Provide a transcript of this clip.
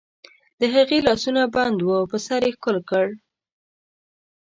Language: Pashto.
د هغې لاسونه بند وو، په سر یې ښکل کړ.